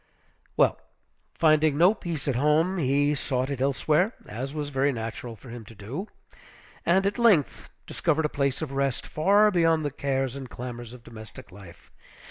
Well, finding no peace at home, he sought it elsewhere, as was very natural for him to do; and at length discovered a place of rest, far beyond the cares and clamors of domestic life.